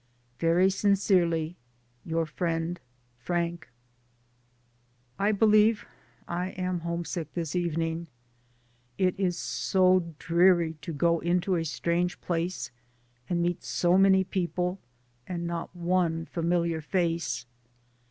Very sincerely your friend, Frank. I believe I am homesick this evening. It is so dreary to go into a strange place and meet so many people, and not one familiar face.